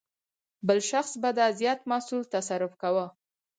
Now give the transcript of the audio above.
بل شخص به دا زیات محصول تصرف کاوه.